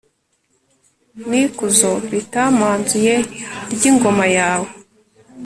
n'ikuzo ritamanzuye ry'ingoma yawe